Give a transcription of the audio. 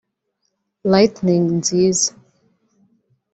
lighting nziza